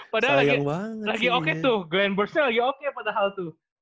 padahal lagi oke tuh glenn burschel lagi oke pada hal itu